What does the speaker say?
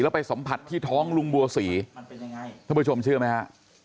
ไปสัมผัสที่ท้องลุงบัวศรีท่านผู้ชมเชื่อไหมฮะ